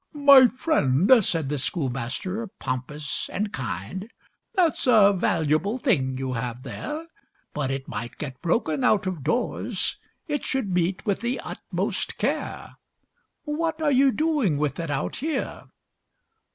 "My friend," said the schoolmaster, pompous and kind, "That's a valuable thing you have there, But it might get broken out of doors, It should meet with the utmost care. What are you doing with it out here?"